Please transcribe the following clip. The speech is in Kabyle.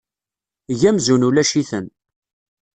Eg amzun ulac-iten.